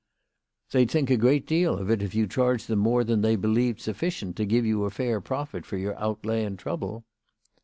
" They'd think a great deal of it if you charged them more than they believed sufficient to give you a fair profit for your outlay and trouble."